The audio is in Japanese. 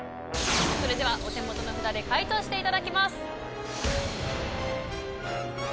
それではお手元の札で解答していただきます。